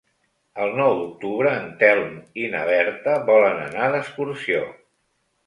El nou d'octubre en Telm i na Berta volen anar d'excursió.